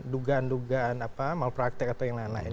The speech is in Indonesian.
dugaan dugaan malpraktek atau yang lain lain